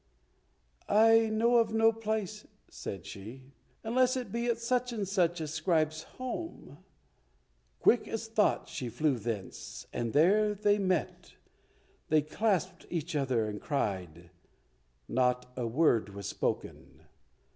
"I know of no place," said she, "unless it be at such and such a scribe's home." Quick as thought she flew thence, and there they met. They clasped each other and cried, not a word was spoken.